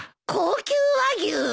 高級和牛！？